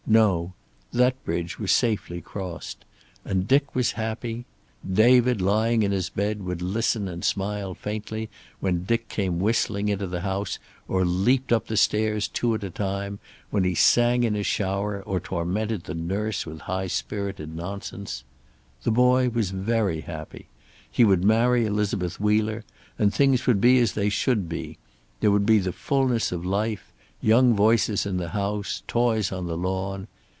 No. That bridge was safely crossed. And Dick was happy. David, lying in his bed, would listen and smile faintly when Dick came whistling into the house or leaped up the stairs two at a time; when he sang in his shower, or tormented the nurse with high spirited nonsense. The boy was very happy. He would marry Elizabeth Wheeler, and things would be as they should be; there would be the fullness of life, young voices in the house, toys on the lawn.